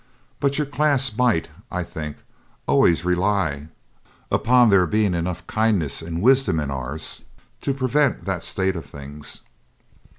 But your class might, I think, always rely upon there being enough kindness and wisdom in ours to prevent that state of things.